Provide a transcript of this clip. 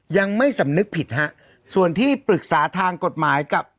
ยังไม่สำนึกผิดฮะส่วนที่ปรึกษาทางกฎหมายกับ